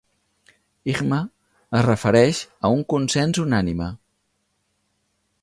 Ijma' es refereix a un consens unànime.